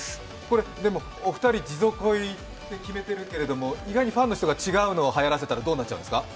お二人、「じぞ恋」って決めてるけど意外にファンの人が違うのをはやらせたらどうなりますか？